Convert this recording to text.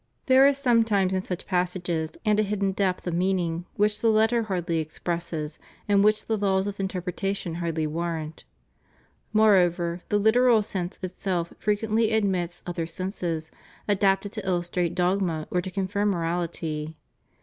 There is sometimes in such passages a fulness and a hidden depth of meaning which the letter hardly expresses and which the laws of interpretation hardly warrant. More over, the Uteral sense itself frequently admits other senses, adapted to illustrate dogma or to confirm moraUty.